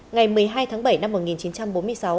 ngày một mươi hai tháng bảy năm một nghìn chín trăm bốn mươi sáu